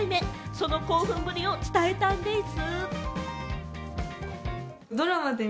その興奮ぶりを伝えたんでぃす。